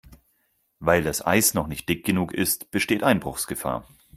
Weil das Eis noch nicht dick genug ist, besteht Einbruchsgefahr.